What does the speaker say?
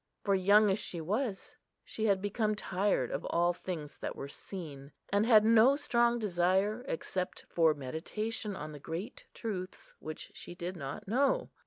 for young as she was, she had become tired of all things that were seen, and had no strong desire, except for meditation on the great truths which she did not know.